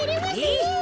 えっ？